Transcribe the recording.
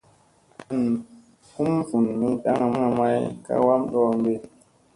An vum vun mi daŋga may ka wam ɗoombi.